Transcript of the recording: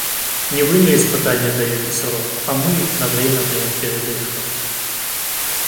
Не вы на испытание даете срок — а мы на время даем передышку.